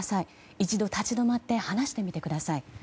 一度立ち止まって話してみてください。